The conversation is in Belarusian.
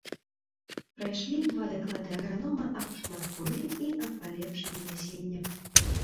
Прайшлі два даклады агранома аб шматполлі і аб палепшанні насення.